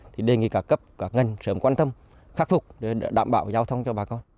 thì đề nghị cả cấp cả ngân sớm quan tâm khắc phục để đảm bảo giao thông cho bà con